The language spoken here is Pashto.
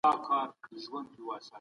که زده کړه کوئ پوهه به ترلاسه کوئ.